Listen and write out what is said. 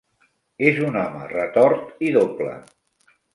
És un home retort i doble.